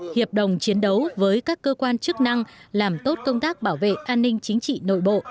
hiệp đồng chiến đấu với các cơ quan chức năng làm tốt công tác bảo vệ an ninh chính trị nội bộ